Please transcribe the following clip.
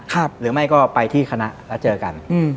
หรือไม่ก็ไปที่คณะแล้วเจอกันอืม